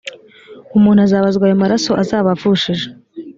umuntu azabazwa ayo maraso azaba avushije